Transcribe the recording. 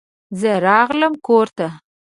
زه راغلم کور ته.